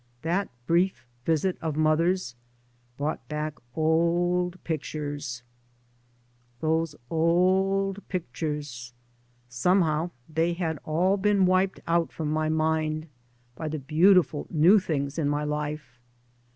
That brief visit of mother's brought back old pictures. ... Those old pictures I Somehow they had all been wiped out from my mind by the beau tiful new things in my life.